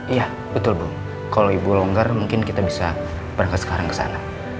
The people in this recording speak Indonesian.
iya betul bu kalau ibu longgar mungkin kita bisa berangkat sekarang ke sana